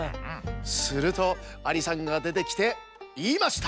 するとアリさんがでてきていいました。